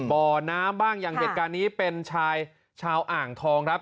บ่อน้ำบ้างอย่างเหตุการณ์นี้เป็นชายชาวอ่างทองครับ